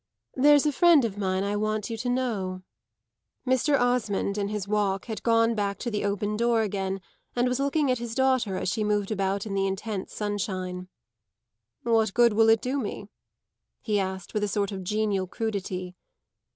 There's a friend of mine I want you to know." Mr. Osmond, in his walk, had gone back to the open door again and was looking at his daughter as she moved about in the intense sunshine. "What good will it do me?" he asked with a sort of genial crudity.